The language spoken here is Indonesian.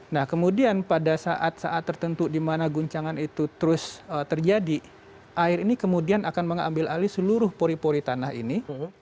nah kemudian pada saat saat tertentu di mana guncangan itu terus terjadi air ini kemudian akan mengambil alih seluruh pori pori tanah ini